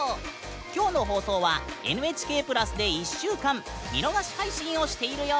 今日の放送は「ＮＨＫプラス」で１週間見逃し配信をしているよ！